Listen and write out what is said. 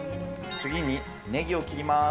次にネギを切ります。